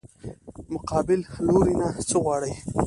مقابل لوري نه څه غواړې؟